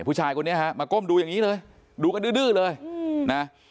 ผู้ชายคนนี้ฮะมาก้มดูอย่างนี้เลยดูกันดื้อเลยนะ